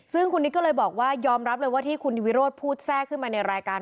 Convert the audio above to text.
ซึ่งคุณนิกก็เลยยอมรับเลยว่าที่คุณวิโรศพูดแซ่บมาได้ในรายการ